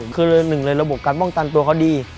คือหนึ่งในระบบการป้องกันตัวเขาดี